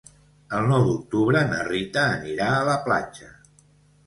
El nou d'octubre na Rita anirà a la platja.